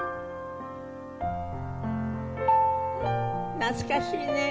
懐かしいね。